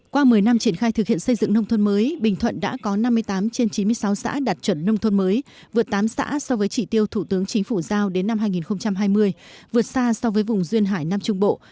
qua một mươi năm triển khai thực hiện xây dựng nông thôn mới bình thuận đã có năm mươi tám trên chín mươi sáu xã đạt chuẩn nông thôn mới vượt tám xã so với chỉ tiêu thủ tướng chính phủ giao đến năm hai nghìn hai mươi vượt xa so với vùng duyên hải nam trung bộ